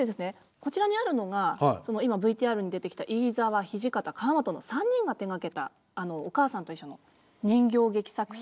こちらにあるのが今ＶＴＲに出てきた飯沢土方川本の３人が手がけた「おかあさんといっしょ」の人形劇作品。